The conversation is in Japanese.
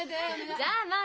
じゃあまあ